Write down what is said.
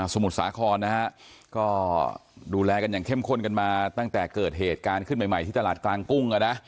มุทรสาครนะฮะก็ดูแลกันอย่างเข้มข้นกันมาตั้งแต่เกิดเหตุการณ์ขึ้นใหม่ที่ตลาดกลางกุ้ง